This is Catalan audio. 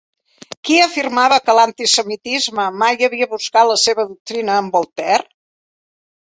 Qui afirmava que l'antisemitisme mai havia buscat la seva doctrina en Voltaire?